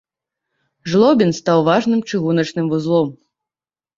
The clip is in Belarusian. Жлобін стаў важным чыгуначным вузлом.